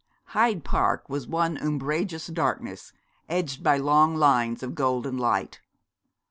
Hyde Park was one umbrageous darkness, edged by long lines of golden light.